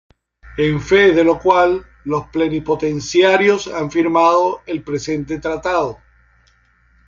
En fe de lo cual los plenipotenciarios han firmado el presente Tratado.